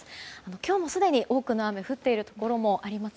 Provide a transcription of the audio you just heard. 今日もすでに多くの雨が降っているところもあります。